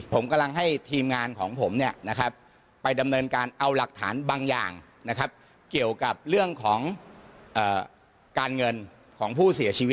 ผมกำลังให้ทีมงานของผมเนี่ยนะครับไปดำเนินการเอาหลักฐานบางอย่างนะครับ